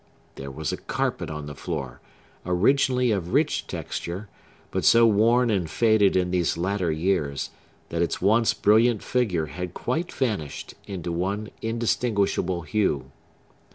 There was a carpet on the floor, originally of rich texture, but so worn and faded in these latter years that its once brilliant figure had quite vanished into one indistinguishable hue.